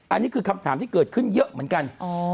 อันนี้คือคำถามที่เกิดขึ้นเยอะเหมือนกัน